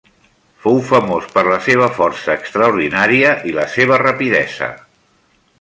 Fou famós per la seva força extraordinària i la seva rapidesa.